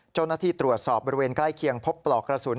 เจ้าหน้าที่ตรวจสอบบริเวณใกล้เคียงพบปลอกกระสุน